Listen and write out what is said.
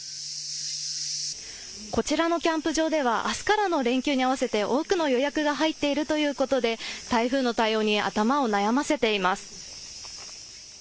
こちらのキャンプ場ではあすからの連休に合わせて多くの予約が入っているということで台風の対応に頭を悩ませています。